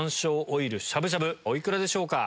お幾らでしょうか？